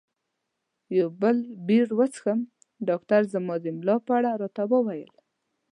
یو بل بیر وڅښم؟ ډاکټر زما د ملا په اړه راته وویل.